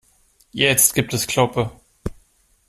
Jetzt gibt es Kloppe.